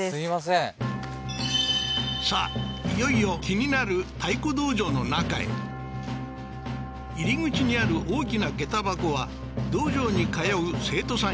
いよいよ気になる太鼓道場の中へ入り口にある大きなげた箱は道場に通う生徒さん